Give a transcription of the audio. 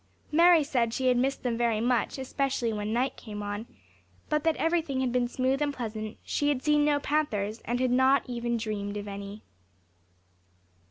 Mary said she had missed them very much, especially when night came on, but that everything had been smooth and pleasant; she had seen no panthers, and had not even dreamed of any.